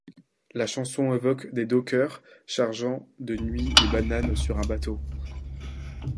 La chanson évoque des dockers chargeant de nuit des bananes sur un bateau.